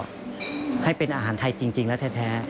ให้เป็นอาหารไทยจริงแล้วแท้